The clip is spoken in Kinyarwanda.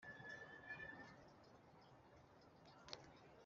azahunike ahatava izuba !